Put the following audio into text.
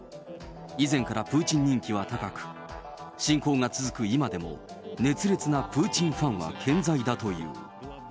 以前からプーチン人気は高く、侵攻が続く今でも熱烈なプーチンファンは健在だという。